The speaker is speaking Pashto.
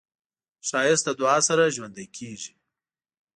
ښایست له دعا سره ژوندی کېږي